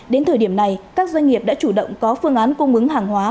đến thời điểm này các doanh nghiệp đã chủ động có phương án cung ứng hàng hóa